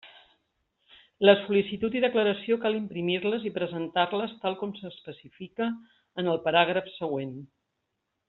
La sol·licitud i declaració cal imprimir-les i presentar-les tal com s'especifica en el paràgraf següent.